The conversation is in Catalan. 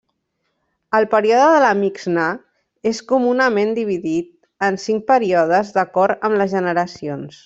El període de la Mixnà és comunament dividit en cinc períodes d'acord amb les generacions.